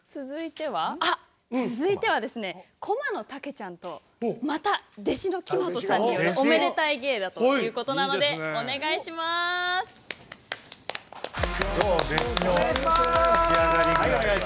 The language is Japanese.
続いてはですねこまのたけちゃんとまた、弟子の木本さんによるおめでたい芸だということなのでお願いします。